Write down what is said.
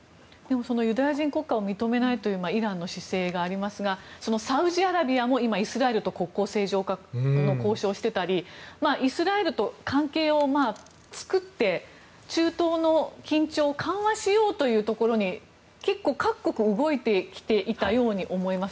ユダヤ人国家を認めないというイランの姿勢がありますがサウジアラビアも今、イスラエルと国交正常化の交渉をしていたりイスラエルと関係を作って中東の緊張を緩和しようというところに結構、各国が動いてきていたように思います。